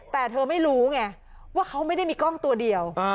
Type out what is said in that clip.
แต่เธอไม่รู้ไงว่าเขาไม่ได้มีกล้องตัวเดียว